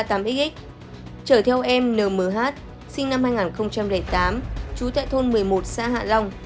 trở theo em nmh sinh năm hai nghìn tám chú tại thôn một mươi một xa hạ long